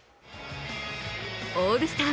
オールスター